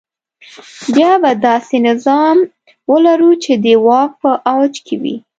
بیا به داسې نظام ولرو چې د واک په اوج کې وي.